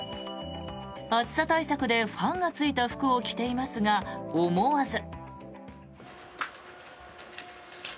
暑さ対策でファンがついた服を着ていますが思わず。